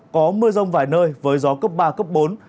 có mưa rông vài nơi với gió cấp ba cấp bốn